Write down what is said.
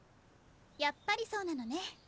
やっぱりそうなのね。